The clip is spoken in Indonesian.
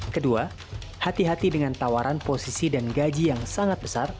kedua hati hati dengan tawaran posisi dan gaji yang sangat besar